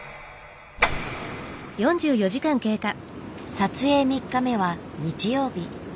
撮影３日目は日曜日。